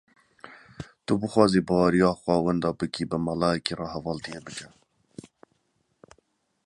Tu bixwazî baweriya xwe wenda bikî, bi meleyekî re hevaltiyê bike.